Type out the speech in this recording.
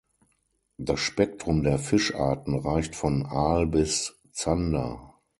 Das Spektrum der Fischarten reicht von Aal bis Zander.